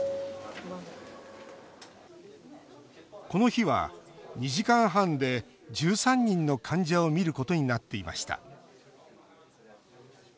この日は、２時間半で１３人の患者を診ることになっていました。